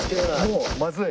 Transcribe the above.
もうまずい。